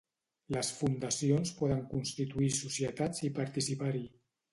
Les fundacions poden constituir societats i participar-hi.